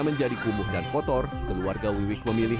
menjadi kumuh dan kotor keluarga wiwik memilih